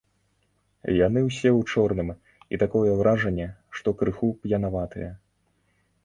Яны ўсе ў чорным, і такое ўражанне, што крыху п'янаватыя.